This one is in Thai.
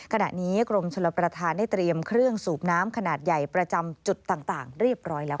ขณะนี้กรมชลประธานได้เตรียมเครื่องสูบน้ำขนาดใหญ่ประจำจุดต่างเรียบร้อยแล้ว